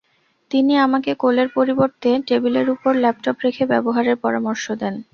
তিনি আমাকে কোলের পরিবর্তে টেবিলের ওপর ল্যাপটপ রেখে ব্যবহারের পরামর্শ দেন।